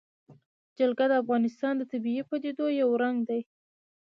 جلګه د افغانستان د طبیعي پدیدو یو رنګ دی.